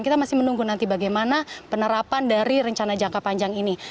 kita masih menunggu nanti bagaimana penerapan dari rencana jangka panjang ini